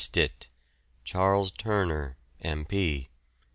Stitt, Charles Turner, M.